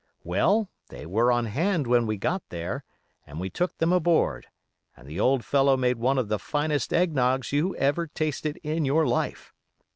Well, they were on hand when we got there, and we took them aboard, and the old fellow made one of the finest eggnoggs you ever tasted in your life.